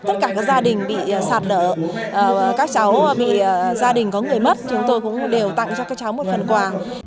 tất cả các gia đình bị sạt lở các cháu bị gia đình có người mất chúng tôi cũng đều tặng cho các cháu một phần quà